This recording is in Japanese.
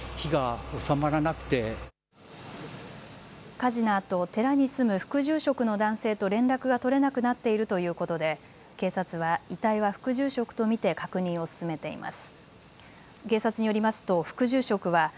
火事のあと寺に住む副住職の男性と連絡が取れなくなっているということで警察は遺体は副住職と見て確認を進めています。